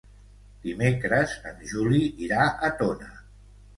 Dimecres en Juli irà a Tona.